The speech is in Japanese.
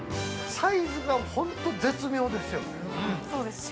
◆サイズが本当に絶妙ですよね。